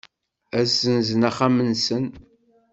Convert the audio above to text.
Ad ssenzen axxam-nsen.